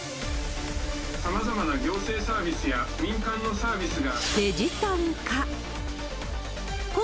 さまざまな行政サービスや民間のサービスが。